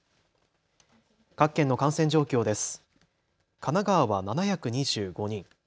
各県の感染状況です。